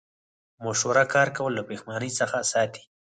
په مشوره کار کول له پښیمانۍ څخه ساتي.